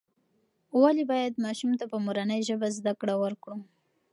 ولې باید ماشوم ته په مورنۍ ژبه زده کړه ورکړو؟